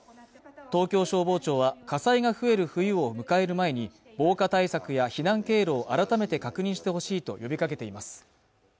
東京消防庁は火災が増える冬を迎える前に防火対策や避難経路を改めて確認してほしいと呼びかけています